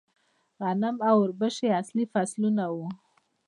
غنم او وربشې اصلي فصلونه وو